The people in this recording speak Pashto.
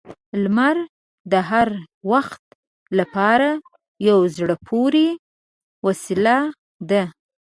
• لمر د هر وخت لپاره یو زړه پورې وسیله ده.